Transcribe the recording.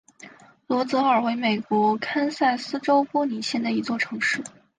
罗泽尔为美国堪萨斯州波尼县的一座城市。